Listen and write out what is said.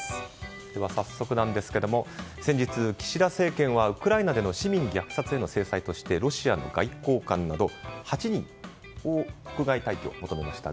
早速なんですけども先日、岸田政権はウクライナでの市民虐殺への制裁としてロシアの外交官など８人に国外退去を求めました。